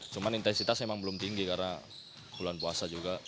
cuman intensitas memang belum tinggi karena bulan puasa juga